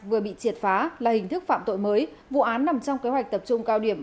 vừa bị triệt phá là hình thức phạm tội mới vụ án nằm trong kế hoạch tập trung cao điểm